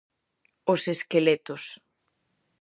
Os esqueletos.